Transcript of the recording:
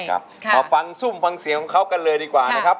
มาฟังซุ่มฟังเสียงของเขากันเลยดีกว่านะครับ